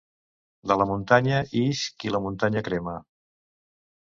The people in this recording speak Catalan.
De la muntanya ix qui la muntanya crema.